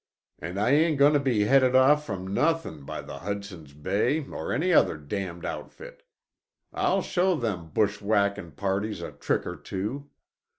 And I ain't goin' to be headed off from nothin' by the Hudson Bay or any other damned outfit. I'll show them bushwhackin' parties a trick or two.